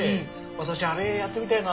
私あれやってみたいな。